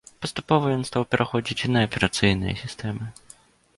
Паступова ён стаў пераходзіць і на аперацыйныя сістэмы.